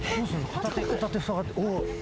片手ふさがって。